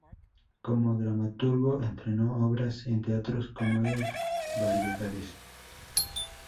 Como dramaturgo estrenó obras en teatros como el Variedades.